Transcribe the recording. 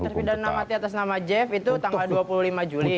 terpidana mati atas nama jeff itu tanggal dua puluh lima juli